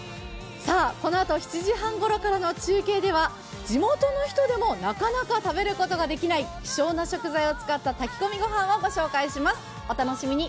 さぁ、このあと７時半ごろからの中継では地元の人でもなかなか食べることができない希少な食材を使った炊き込みご飯をご紹介します、お楽しみに。